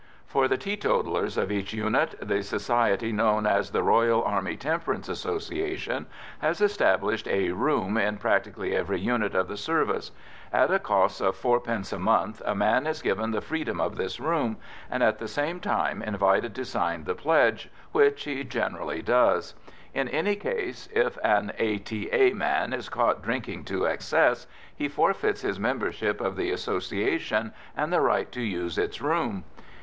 For the teetotallers of each unit, the society known as the Royal Army Temperance Association has established a "room" in practically every unit of the service; at a cost of fourpence a month a man is given the freedom of this room, and at the same time invited to sign the pledge, which he generally does. In any case, if an A.T.A. man is caught drinking to excess, he forfeits his membership of the Association and the right to use its room.